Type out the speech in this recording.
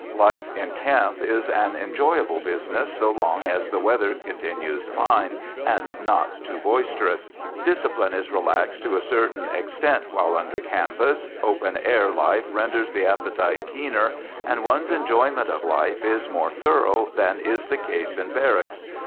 Life in camp is an enjoyable business so long as the weather continues fine and not too boisterous; discipline is relaxed to a certain extent while under canvas, open air life renders the appetite keener, and one's enjoyment of life is more thorough than is the case in barracks.